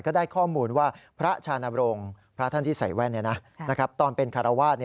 ได้ข้อมูลว่าพระชานบรงค์พระท่านที่ใส่แว่นตอนเป็นคารวาส